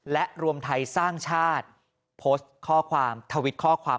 และรวมไทยสร้างชาติโพสต์ข้อความทวิตข้อความ